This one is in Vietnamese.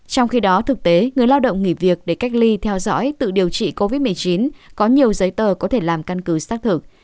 trong khi đó thực tế người lao động nghỉ việc để cách ly theo dõi tự điều trị covid một mươi chín có nhiều giấy tờ có thể làm căn cứ xác thực